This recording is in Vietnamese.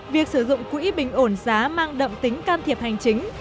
việc sử dụng quỹ bình ổn giá mang đậm tính can thiệp hành chính